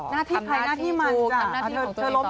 น่าที่ใครน่าที่มันจ๊ะทำหน้าที่ของตัวเองต่อไป